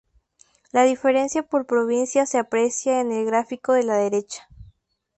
La diferencia por provincia se aprecia en el gráfico de la derecha.